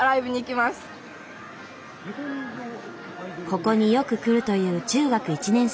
ここによく来るという中学１年生。